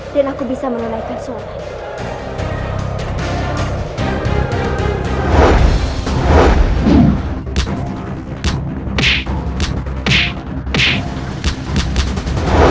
dan aku bisa menunaikan suara